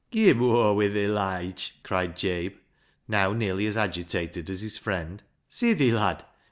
" Give o'er wi' thi, Lige," cried Jabe, now nearly as agitated as his friend. " Sithi, lad.